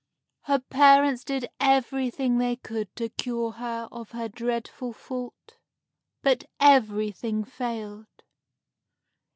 Her parents did everything they could to cure her of her dreadful fault, but everything failed.